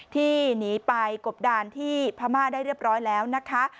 ที่หนีไปกบดานที่พม่าได้เรียบร้อยแล้วนะคะ